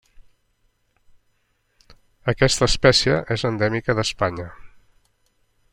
Aquesta espècie és endèmica d'Espanya.